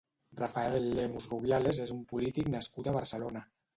Rafael Lemus Rubiales és un polític nascut a Barcelona.